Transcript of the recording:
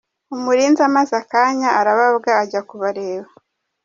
Umurinzi amaze akanya arababwa ajya kubareba.